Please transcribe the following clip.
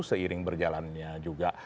seiring berjalannya juga